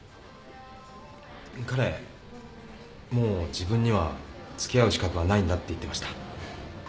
彼もう自分にはつきあう資格はないんだって言ってました。